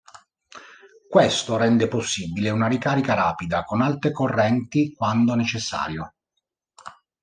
Questo rende possibile una ricarica rapida con alte correnti quando necessario.